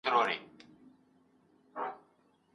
تخیل د انسان د فکر د پراختیا لپاره دی.